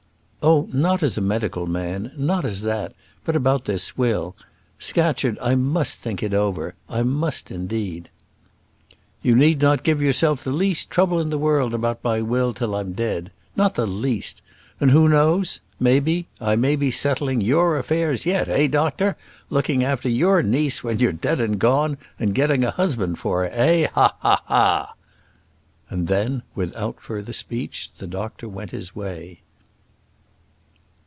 "Oh, not as a medical man; not as that; but about this will, Scatcherd. I must think if over; I must, indeed." "You need not give yourself the least trouble in the world about my will till I'm dead; not the least. And who knows maybe, I may be settling your affairs yet; eh, doctor? looking after your niece when you're dead and gone, and getting a husband for her, eh? Ha! ha! ha!" And then, without further speech, the doctor went his way.